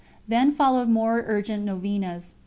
Then followed more urgent novenas.